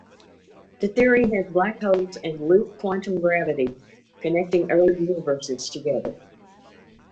The theory has black holes and loop quantum gravity connecting early universes together.